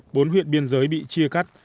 bốn huyện biên giới bị chia cắt